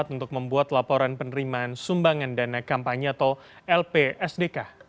untuk membuat laporan penerimaan sumbangan dana kampanye atau lpsdk